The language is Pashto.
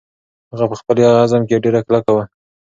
هغه په خپل عزم کې ډېره کلکه وه.